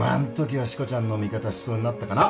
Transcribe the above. はしこちゃんの味方しそうになったかな。